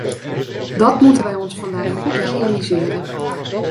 Dat moeten wij ons vandaag goed realiseren!